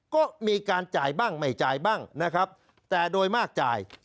ก็มีการจ่ายบ้างไม่จ่ายบ้างนะครับแต่โดยมากจ่าย